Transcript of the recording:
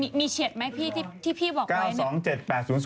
เดี๋ยวมีเฉียดไหมที่พี่บอกไว้